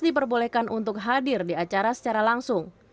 diperbolehkan untuk hadir di acara secara langsung